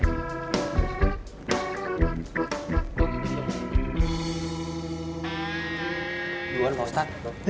juhur pak ustadz